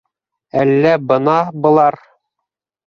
Әллә бына былар...